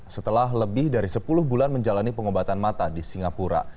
setelah lebih dari sepuluh bulan menjalani pengobatan mata di singapura